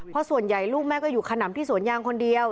เพราะส่วนใหญ่ลูกแม่ก็อยู่ขนำที่สวนยางคนเดียว